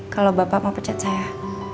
kalau bapak mau pecat saya